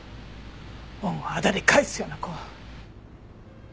恩をあだで返すような子。